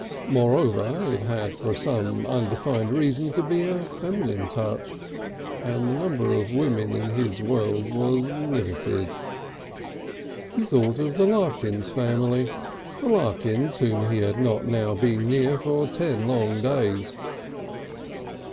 Moreover it had for some undefined reason to be a feminine touch, and the number of women in his world was limited. He thought of the Larkins family the Larkins whom he had not been near now for ten long days.